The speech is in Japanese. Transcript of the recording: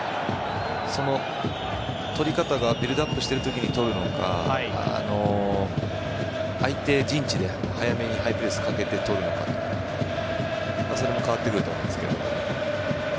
取り方がビルドアップしている時に取るのか相手陣地で早めにハイプレスをかけてとるのかでその辺も変わってくると思いますけど。